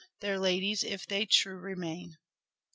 Their ladies if they true remain.